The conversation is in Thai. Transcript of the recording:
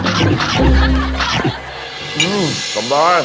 ไม่งั้นเราจะไม่มีฐานชนะเขาได้